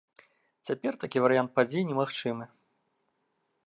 Цяпер такі варыянт падзей немагчымы.